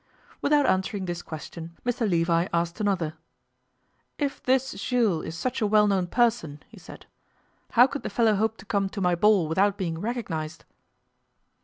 Without answering this question Mr Levi asked another. 'If this Jules is such a well known person,' he said, 'how could the feller hope to come to my ball without being recognized?